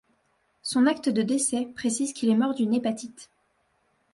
Son acte de décès précise qu'il est mort d'une hépatite.